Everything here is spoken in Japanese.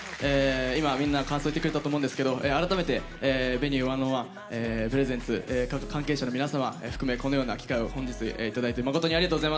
今みんな感想言ってくれたと思うんですけど改めて「Ｖｅｎｕｅ１０１Ｐｒｅｓｅｎｔｓ」各関係者の皆様含めこのような機会を本日いただいてまことにありがとうございます。